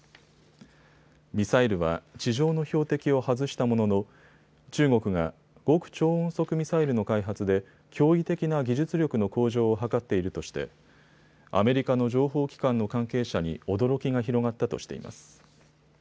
ミサイルは地上の標的を外したものの中国が極超音速ミサイルの開発で驚異的な技術力の向上を図っているとしてアメリカの情報機関の関係者に驚きが広がったとしています。